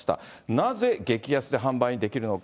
なぜ、激安で販売できるのか。